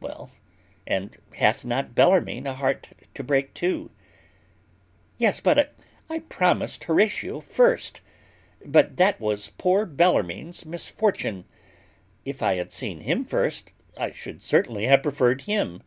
Well, and hath not Bellarmine a heart to break too? Yes, but I promised Horatio first; but that was poor Bellarmine's misfortune; if I had seen him first, I should certainly have preferred him.